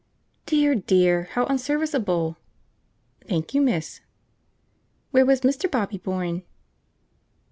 "Dear, dear! how unserviceable!" "Thank you, miss." "Where was Mr. Bobby born?"